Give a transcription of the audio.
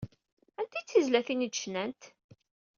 Anti ay d tizlatin ay d-cnant?